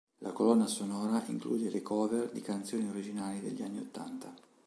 La colonna sonora include le cover di canzoni originali degli anni ottanta.